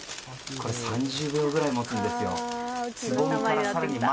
３０秒ぐらい持つんですよ。